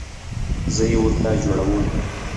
زه یې ورته جوړوم